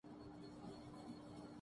میں یہاں پہلے سے ہوں